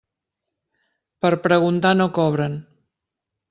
Per preguntar no cobren.